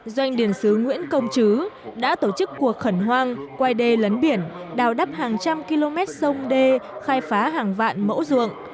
doanh điển sứ nguyễn công chứ đã tổ chức cuộc khẩn hoang quay đê lấn biển đào đắp hàng trăm km sông đê khai phá hàng vạn mẫu ruộng